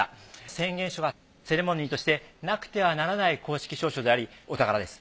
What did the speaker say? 宣言書はセレモニーとしてなくてはならない公式証書でありお宝です。